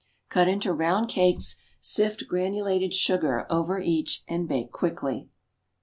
Cut into round cakes; sift granulated sugar over each and bake quickly.